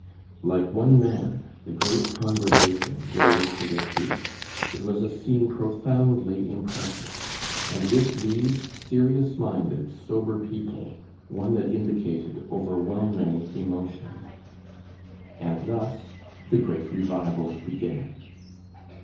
Like one man the great congregation rose to their feet. It was a scene profoundly impressive, and with these serious minded, sober people, one that indicated overwhelming emotion. And thus the great revival began.